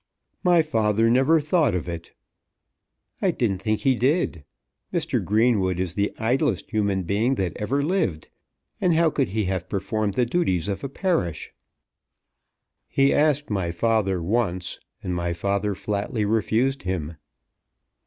"My father never thought of it." "I didn't think he did. Mr. Greenwood is the idlest human being that ever lived, and how could he have performed the duties of a parish?" "He asked my father once, and my father flatly refused him."